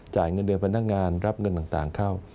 เงินเดือนพนักงานรับเงินต่างเข้า